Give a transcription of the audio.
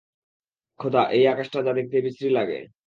খোদা, এই আকাশটা যা দেখতে বিশ্রী লাগে!